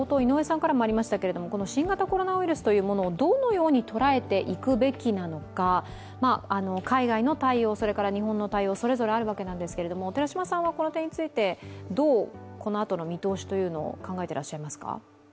この新型コロナウイルスというものをどのように捉えていくべきなのか海外の対応、それから日本の対応、それぞれあるわけですがこの点について、どうこのあとの見通しを考えていらっしゃいますか？